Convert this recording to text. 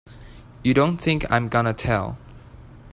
You don't think I'm gonna tell!